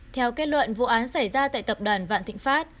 theo kết luận vụ án xảy ra tại tập đoàn vạn thịnh pháp